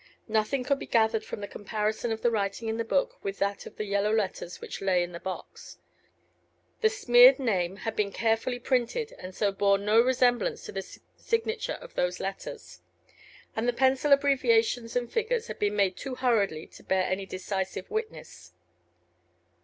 Nothing could be gathered from the comparison of the writing in the book with that of the yellow letters which lay in the box; the smeared name had been carefully printed, and so bore no resemblance to the signature of those letters; and the pencil abbreviations and figures had been made too hurriedly to bear any decisive witness.